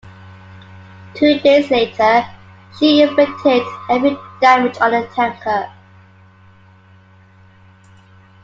Two days later, she inflicted heavy damage on a tanker.